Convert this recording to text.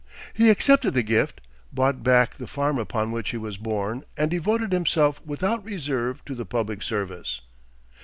He accepted the gift, bought back the farm upon which he was born, and devoted himself without reserve to the public service.